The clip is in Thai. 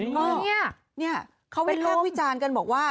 ก็เนี่ยเค้าไปท่านวิจารณ์กันบอกว่า